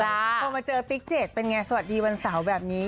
พอมาเจอติ๊กเจ็ดเป็นไงสวัสดีวันเสาร์แบบนี้